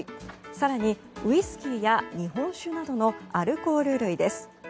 更に、ウイスキーや日本酒などのアルコール類です。